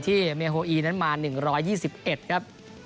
เมโฮอีนั้นมา๑๒๑ครับ